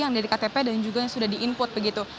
yang dari ktp dan juga yang sudah di input begitu